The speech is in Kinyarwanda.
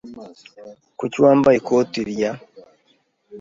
Kuki wambaye ikoti rya ?